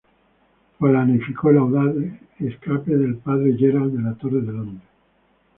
Planificó el audaz escape del padre Gerard de la Torre de Londres.